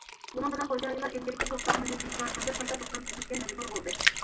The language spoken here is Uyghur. بۇنىڭ بىلەن خوجايىنلار ئىلگىرىكى توختامنى بىكار قىلىپ، قايتا توختام تۈزۈشكە مەجبۇر بولدى.